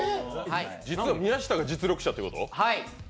実は宮下が実力者ってこと？